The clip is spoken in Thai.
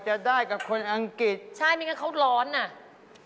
จะได้กับคนอังกฤษนะเตรียมไลน์ไลน์สาธารณรออยู่ข้างนอก